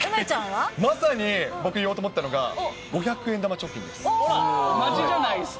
まさに言おうと思ったのは、同じじゃないですか。